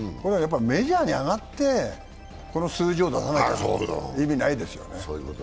メジャーに上がってこの数字を出さなきゃ意味ないですよね。